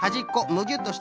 むぎゅっとおす。